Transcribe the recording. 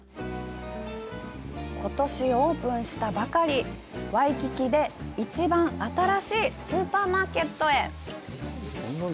ことしオープンしたばかり、ワイキキで一番新しいスーパーマーケットへ！